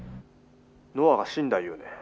ノアが死んだ言うねん。